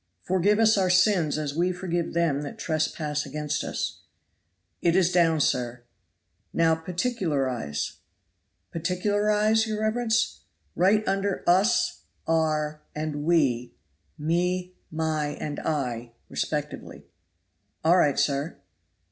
"Forgive us our sins as we forgive them that trespass against us.'" "It is down, sir." "Now particularize." "Particularize, your reverence?" "Write under 'us' 'our' and 'we,' 'me',' my' and 'I'; respectively." "All right, sir."